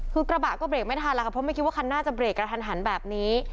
คือกระบะก็เบรกไม่ทันแล้วค่ะเพราะไม่คิดว่าคันหน้าจะเบรกกระทันหันแบบนี้